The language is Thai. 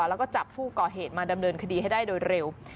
แล้วก็จับผู้ก่อเหตุมาดำเนินคดีให้ได้โดยเร็ว